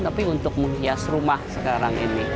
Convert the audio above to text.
tapi untuk menghias rumah sekarang ini